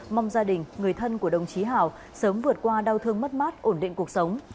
mong gia đình người thân của đồng chí hảo sớm vượt qua đau thương mất mát ổn định cuộc sống